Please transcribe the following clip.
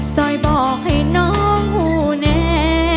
ซอยบอกให้น้องแน่